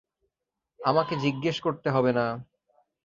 আমাকে জিজ্ঞেস করতে হবে না।